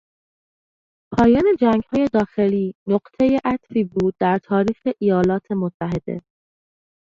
پایان جنگهای داخلی نقطهی عطفی بود در تاریخ ایالات متحده.